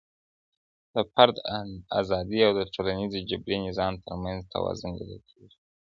د فرد ازادي او د ټولنیزې جبري نظام تر منځ توازن لیدل کیږي.